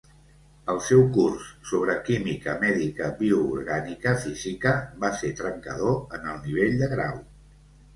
El seu curs sobre química mèdica bioorgànica física va ser trencador en el nivell de grau.